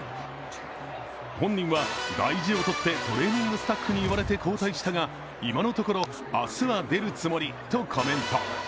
本人は、大事をとってトレーニングスタッフに言われて交代したが今のところ、明日は出るつもりとコメント。